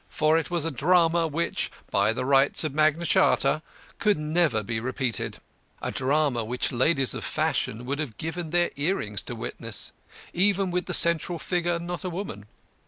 For it was a drama which (by the rights of Magna Charta) could never be repeated; a drama which ladies of fashion would have given their earrings to witness, even with the central figure not a woman.